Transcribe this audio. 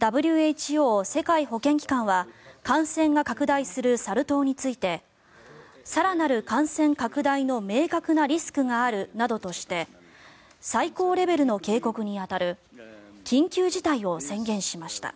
ＷＨＯ・世界保健機関は感染が拡大するサル痘について更なる感染拡大の明確なリスクがあるなどとして最高レベルの警告に当たる緊急事態を宣言しました。